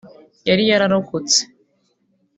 yari yararokotse